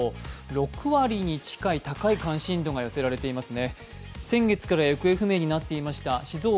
６割に近い高い関心度が寄せられていますね。